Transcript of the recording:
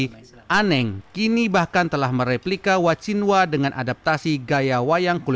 aneng kini bahkan telah mereplika wacinwa dengan adaptasi gaya wayang kulit